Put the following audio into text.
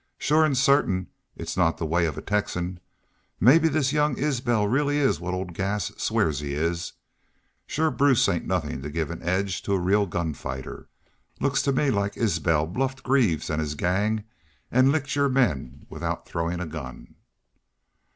"Shore an' sartin it's not the way of a Texan. Mebbe this young Isbel really is what old Gass swears he is. Shore Bruce ain't nothin' to give an edge to a real gun fighter. Looks to me like Isbel bluffed Greaves an' his gang an' licked your men without throwin' a gun."